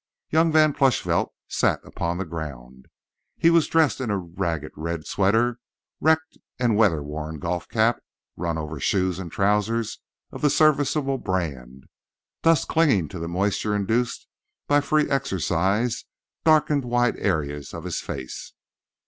Young Van Plushvelt sat upon the ground. He was dressed in a ragged red sweater, wrecked and weather worn golf cap, run over shoes, and trousers of the "serviceable" brand. Dust clinging to the moisture induced by free exercise, darkened wide areas of his face.